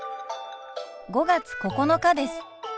５月９日です。